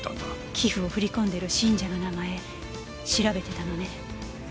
寄付を振り込んでる信者の名前調べてたのね。